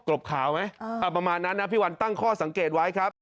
บขาวไหมประมาณนั้นนะพี่วันตั้งข้อสังเกตไว้ครับ